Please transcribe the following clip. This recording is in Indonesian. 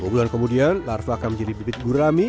dua bulan kemudian larva akan menjadi bibit gurami